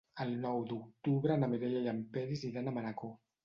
El nou d'octubre na Mireia i en Peris iran a Manacor.